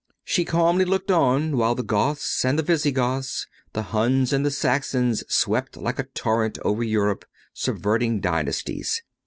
She calmly looked on while the Goths and the Visigoths, the Huns and the Saxons swept like a torrent over Europe, subverting dynasties.